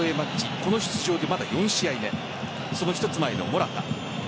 この出場でまだ４試合目この一つ前、モラタ。